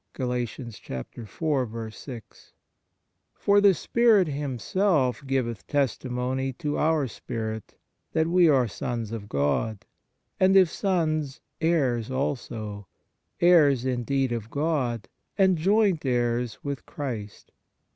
3 " For the Spirit Him self giveth testimony to our spirit, that we are sons of God. And if sons, heirs also ; heirs indeed of God, and joint heirs with Christ."